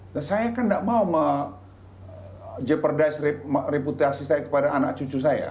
nah saya kan tidak mau jeopardize reputasi saya kepada anak cucu saya